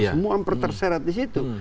semua hampir terserat di situ